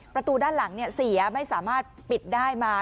ประตูด้านหลังเสียไม่สามารถปิดได้มา